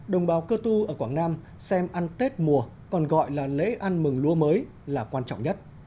đồng bào cơ tu ở quảng nam xem ăn tết mùa còn gọi là lễ ăn mừng lúa mới là quan trọng nhất